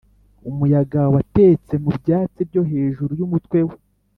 umuyaga watetse mu byatsi byo hejuru y'umutwe we: